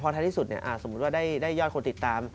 ท้ายที่สุดสมมุติว่าได้ยอดคนติดตาม